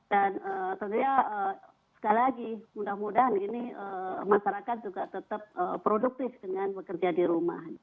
dan tentunya sekali lagi mudah mudahan ini masyarakat juga tetap produktif dengan bekerja di rumah